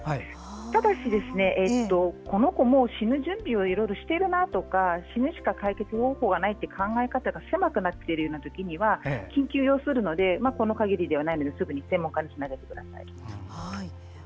ただし、この子もう死ぬ準備をしてるなとか死ぬしか解決方法がないと考え方が狭くなっているときには緊急を要するのでこの限りでなくすぐに専門家につなげてください。